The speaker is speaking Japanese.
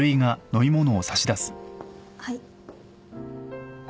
はい。